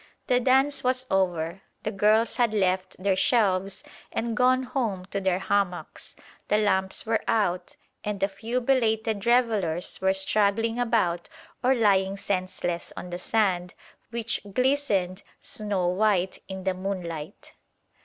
The dance was over; the girls had left their shelves and gone home to their hammocks; the lamps were out; and a few belated revellers were straggling about or lying senseless on the sand, which glistened snow white in the moonlight.